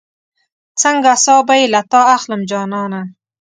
څنګه ساه به بې له تا اخلم جانانه